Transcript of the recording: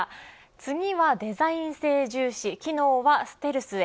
次は、デザイン性重視機能はステルスへ。